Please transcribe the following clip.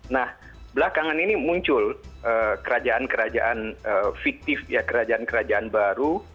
nah belakangan ini muncul kerajaan kerajaan fiktif kerajaan kerajaan baru